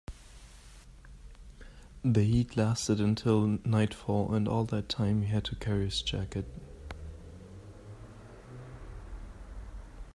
The heat lasted until nightfall, and all that time he had to carry his jacket.